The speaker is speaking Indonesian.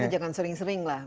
jangan sering sering lah